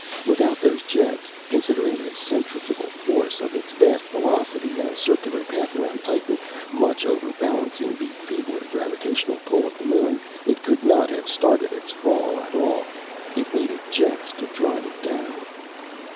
Without those jets, considering the centrifugal force of its vast velocity in a circular path around Titan, much overbalancing the feebler gravitational pull of the moon, it could not have started its fall at all. It needed jets to drive it down.